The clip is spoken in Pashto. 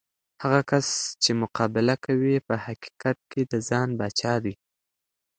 هغه کس چې مقابله کوي، په حقیقت کې د ځان پاچا دی.